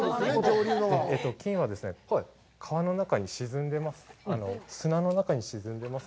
金は、川の中に沈んでます。